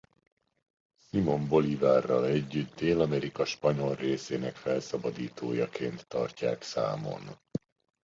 Simón Bolívarral együtt Dél-Amerika spanyol részének felszabadítójaként tartják számon.